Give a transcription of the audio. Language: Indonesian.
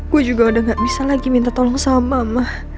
gue juga udah gak bisa lagi minta tolong sama mama